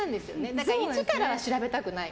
だから一からは調べたくない。